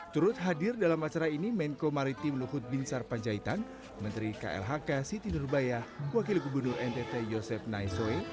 turut hadir dalam acara ini menko maritim luhut binsar panjaitan menteri klhk siti nurubaya wakil gubernur ntt yosef naizoe